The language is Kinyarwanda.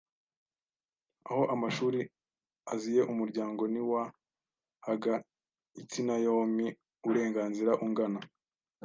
Aho amashuri aziye umuryango ntiwahaga iitsina yomi uurenganzira ungana